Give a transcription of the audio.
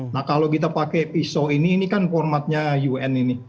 nah kalau kita pakai pisau ini ini kan formatnya un ini